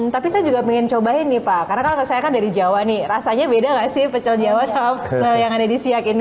tapi saya juga ingin cobain nih pak karena kalau saya kan dari jawa nih rasanya beda nggak sih pecel jawa sama pecel yang ada di siak ini